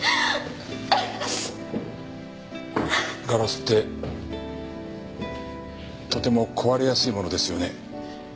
ガラスってとても壊れやすいものですよね。